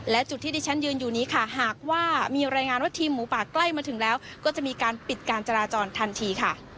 และจุดที่ที่ฉันยืนอยู่นี้ค่ะหากว่ามีรายงานว่าทีมหมูป่าใกล้มาถึงแล้วก็จะมีการปิดการจราจรทันทีค่ะ